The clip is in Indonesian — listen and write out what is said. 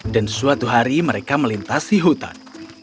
dan suatu hari mereka melintasi hutan